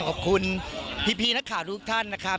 ขอบคุณพี่นักข่าวทุกท่านนะครับ